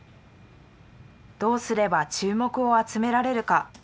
どうすれば注目を集められるか。